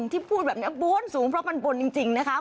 ที่พูดแบบนี้บนสูงเพราะมันบนจริงนะคะ